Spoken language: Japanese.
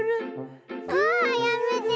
わあやめて。